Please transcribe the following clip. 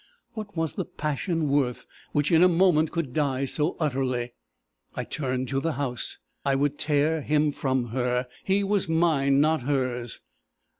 "What was the passion worth which in a moment could die so utterly! "I turned to the house. I would tear him from her: he was mine, not hers!